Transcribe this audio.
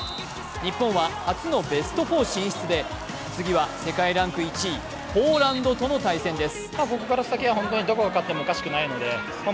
日本は初のベスト４進出で次は世界ランク１位ポーランドとの対戦です。